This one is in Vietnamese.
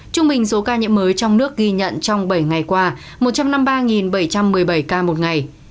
trung bình số ca nhiễm mới trong nước ghi nhận trong bảy ngày qua một trăm năm mươi ba bảy trăm một mươi bảy ca một ngày